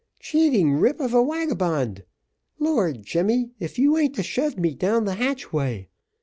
"Cheating rip of a wagabond! Lord, Jemmy, if you a'n't a shoved me down the hatchway!